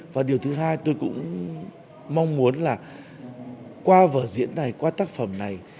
và điều thứ hai tôi cũng mong muốn là qua vở diễn này qua tác phẩm này